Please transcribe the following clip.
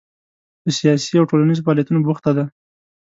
په سیاسي او ټولنیزو فعالیتونو بوخته ده.